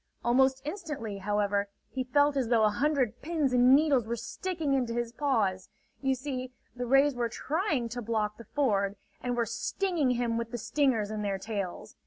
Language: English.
Almost instantly, however, he felt as though a hundred pins and needles were sticking into his paws. You see, the rays were trying to block the ford, and were stinging him with the stingers in their tails.